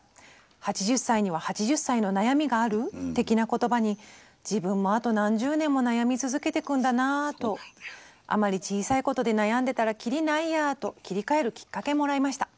８０歳には８０歳の悩みがある的な言葉に自分もあと何十年も悩み続けてくんだなとあまり小さいことで悩んでたらキリないやと切り替えるきっかけもらいました」。